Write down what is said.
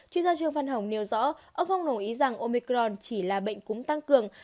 chuyên gia trương văn hồng nêu rõ ông không đồng ý rằng omicron chỉ là bệnh cúng tăng cường